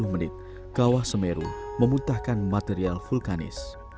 selama dua puluh menit kawah semeru memuntahkan material vulkanis